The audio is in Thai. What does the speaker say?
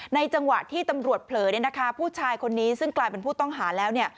จังหวะที่ตำรวจเผลอผู้ชายคนนี้ซึ่งกลายเป็นผู้ต้องหาแล้วเนี่ย